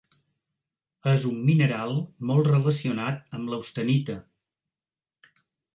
És un mineral molt relacionat amb l'austenita.